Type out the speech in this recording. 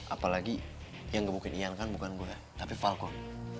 apalagi yang gebukin ian kan bukan gue tapi falcon